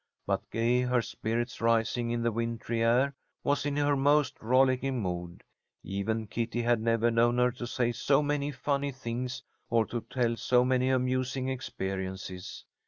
But Gay, her spirits rising in the wintry air, was in her most rollicking mood. Even Kitty had never known her to say so many funny things or to tell so many amusing experiences.